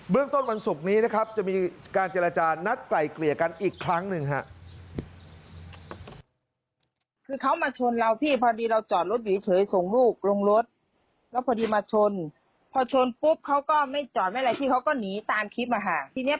เรื่องต้นวันศุกร์นี้นะครับจะมีการเจรจานัดไกล่เกลี่ยกันอีกครั้งหนึ่งฮะ